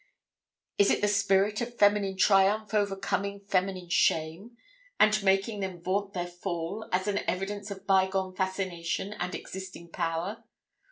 Is it the spirit of feminine triumph overcoming feminine shame, and making them vaunt their fall as an evidence of bygone fascination and existing power?